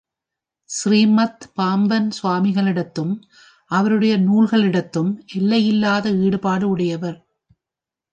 ஸ்ரீமத் பாம்பன் சுவாமிகளிடத்தும், அவருடைய நூல்களிடத்தும் எல்லையில்லாத ஈடுபாடு உடையவர்.